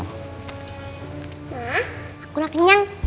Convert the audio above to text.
nah akulah kenyang